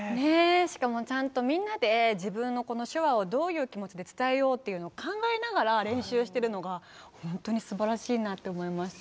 しかも、ちゃんとみんなで自分の、この手話をどういう気持ちで伝えようっていうのを考えながら練習してるのが、本当にすばらしいなって思いました。